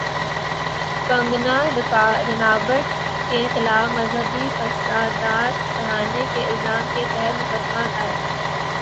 کنگنا رناوٹ کے خلاف مذہبی فسادات کرانے کے الزام کے تحت مقدمہ دائر